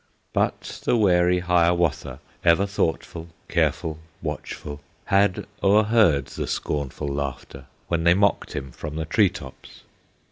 But the wary Hiawatha, Ever thoughtful, careful, watchful, Had o'erheard the scornful laughter When they mocked him from the tree tops.